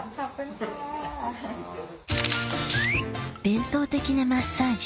伝統的なマッサージ